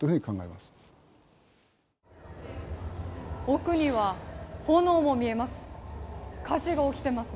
奥には炎も見えます。